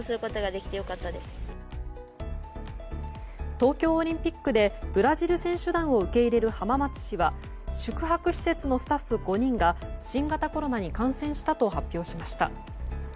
東京オリンピックでブラジル選手団を受け入れる浜松市は宿泊施設のスタッフ５人が新型コロナに感染したと発表しました。